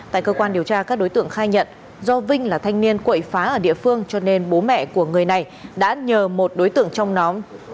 tại cơ quan điều tra các đối tượng khai nhận do vinh là thanh niên quậy phá ở địa phương cho nên bố mẹ của người này đã nhờ một đối tượng trong nhóm